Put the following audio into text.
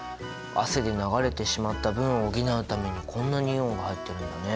汗で流れてしまった分を補うためにこんなにイオンが入ってるんだね！